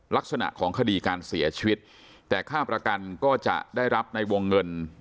ลักษณะของคดีการเสียชีวิตแต่ค่าประกันก็จะได้รับในวงเงิน